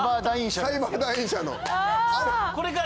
サイバーダイン社のあれ。